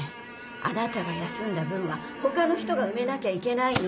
あなたが休んだ分は他の人が埋めなきゃいけないの。